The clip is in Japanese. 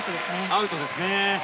アウトですね。